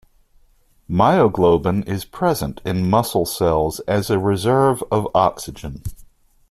Myoglobin is present in muscle cells as a reserve of oxygen.